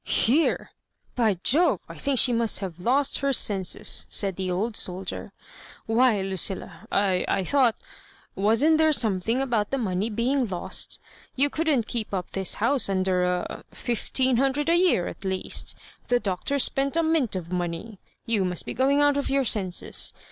"ifijre/— By Jove, I think she must have lost her senses,'' said the old soldier. " Why, Lucilla, I ^I thought — wasn't there somethmg about the money being lost? You couldn't keep up this house under a— fifteen hundred a year at least; the Doctor spent a mint of money; — ^you must be going oat of your senses.